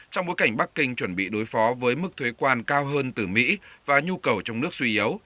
trong bối cảnh bắc kinh chuẩn bị đối phó với mức thuế quan cao hơn từ mỹ và nhu cầu trong nước suy yếu